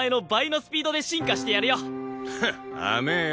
ハッ甘えよ。